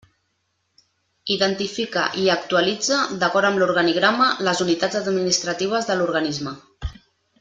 Identifica i actualitza, d'acord amb l'organigrama, les unitats administratives de l'organisme.